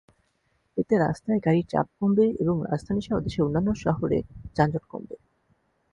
এতে রাস্তায় গাড়ির চাপ কমবে এবং রাজধানীসহ দেশের অন্যান্য শহরে যানজট কমবে।